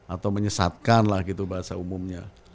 atau menyesatkan lah gitu bahasa umumnya